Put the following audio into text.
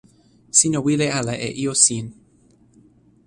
sina wile ala e ijo sin.